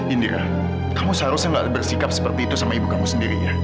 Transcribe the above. indra kamu seharusnya gak bersikap seperti itu sama ibu kamu sendiri ya